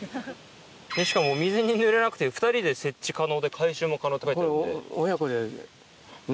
しかも水にぬれなくて２人で設置可能で回収も可能って書いてあるんで。